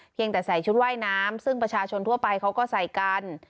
ใส่ชุดว่ายน้ำซึ่งประชาชนทั่วไปเขาก็ใส่กัน